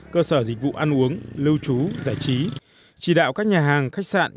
cơ sở dịch vụ ăn uống lưu trú giải trí chỉ đạo các nhà hàng khách sạn